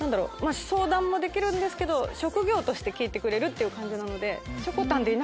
相談もできるんですけど職業として聞いてくれるって感じ。